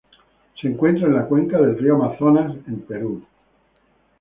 Se encuentra en la cuenca del río Amazonas en Perú.